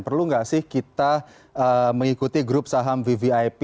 perlu nggak sih kita mengikuti grup saham vvip